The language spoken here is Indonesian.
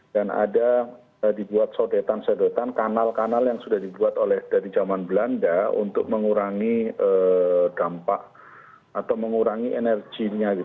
dan ada dibuat sodetan sodetan kanal kanal yang sudah dibuat oleh dari zaman belanda untuk mengurangi dampak atau mengurangi energinya